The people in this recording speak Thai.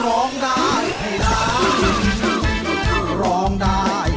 คือร้องได้ให้ร้อง